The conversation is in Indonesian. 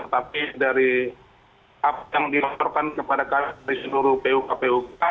tapi dari apa yang dilakukan kepada kami dari seluruh puk puk